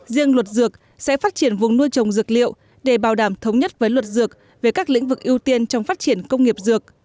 riêng luật dược sẽ phát triển vùng nuôi trồng dược liệu để bảo đảm thống nhất với luật dược về các lĩnh vực ưu tiên trong phát triển công nghiệp dược